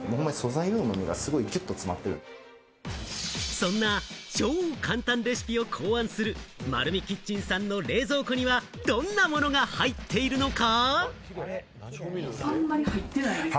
そんな超簡単レシピを考案する、まるみキッチンさんの冷蔵庫にはどんなものが入っているのか？